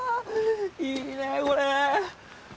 いいねこれ。